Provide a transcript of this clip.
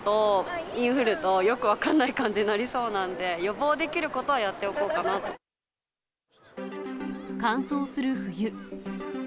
コロナとインフルとよく分かんない感じになりそうなんで、予防できることはやっておこうか乾燥する冬。